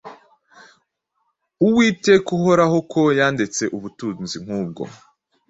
Uwiteka uhorahoko yandetse ubutunzi nkubwo